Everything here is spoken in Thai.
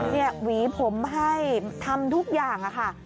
หวีผมให้ทำทุกอย่างค่ะ